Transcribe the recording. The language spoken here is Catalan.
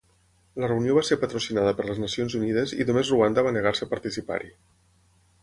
La reunió va ser patrocinada per les Nacions Unides i només Ruanda va negar-se a participar-hi.